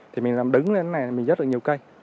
thì mình làm đứng lên này mình dắt được nhiều cây